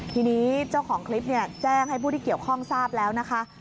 ทีนี้เจ้าของคลิปแจ้งให้ผู้ที่เกี่ยวข้องทราบแล้วนะคะ